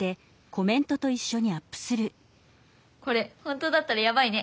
これ本当だったらヤバいね。